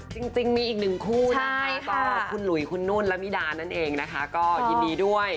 จริงมีอีกนึงคู่ของคุณหลุยคุณนวุีและวิดานนั่นเองนะคะก็ยินดีด้วย